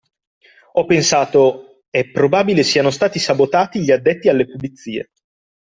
Ho pensato: “È probabile siano stati sabotati gli addetti alle pulizie.